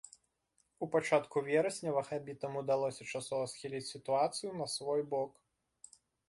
У пачатку верасня вахабітам удалося часова схіліць сітуацыю на свой бок.